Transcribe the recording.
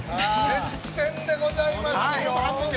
◆接戦でございますよ。